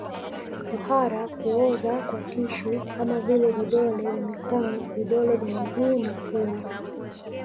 Kuhara kuoza kwa tishu kama vile vidole vya mikono vidole vya miguu na pua